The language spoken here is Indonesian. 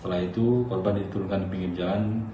setelah itu korban diturunkan di pinggir jalan